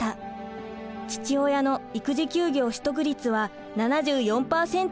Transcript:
父親の育児休業取得率は７４％にも達します。